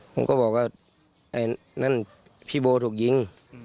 ผมก็บอกว่าไอ้นั่นพี่โบถูกยิง